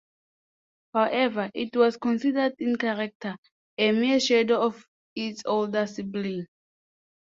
However, it was considered in character a mere shadow of its older sibling.